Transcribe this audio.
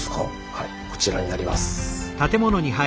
はいこちらになります。